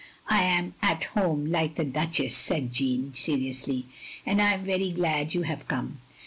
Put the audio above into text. " I am At Home, like the Duchess, " said Jeanne, seriously, "and I am very glad you have come.